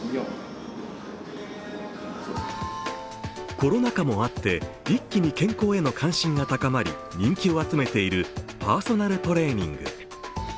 コロナ禍もあって一気に健康への関心が高まり人気を集めているパーソナルトレーニング。